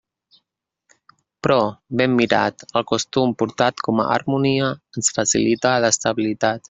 Però, ben mirat, el costum, portat com a harmonia, ens facilita l'estabilitat.